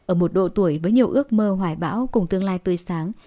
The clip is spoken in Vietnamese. ở một độ tuổi với nhiều ước mơ hoài bão cùng tương lai tươi sáng